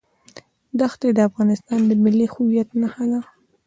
دښتې د افغانستان د ملي هویت نښه ده.